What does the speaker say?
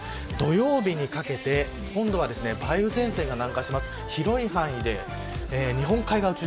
土曜日にかけて今度は梅雨前線が南下します。